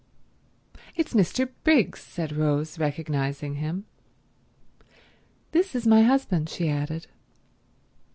"It's Mr. Briggs," said Rose, recognizing him. "This is my husband," she added.